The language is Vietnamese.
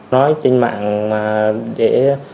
nói trên mạng để